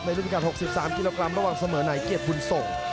ในรีบการด์๖๓กิโลกรัมระหว่างเสมอไหนเกียบพุนส่ง